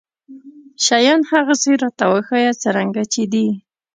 شيان هغسې راته وښايه څرنګه چې دي.